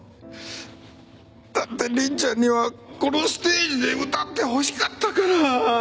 だって凛ちゃんにはこのステージで歌ってほしかったから。